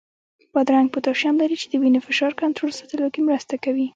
بادرنګ پوتاشیم لري، چې د وینې فشار کنټرول ساتلو کې مرسته کوي.